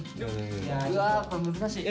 うわこれ難しい。